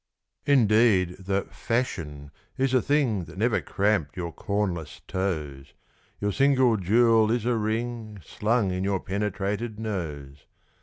Indeed, the "fashion" is a thing That never cramped your cornless toes: Your single jewel is a ring Slung in your penetrated nose.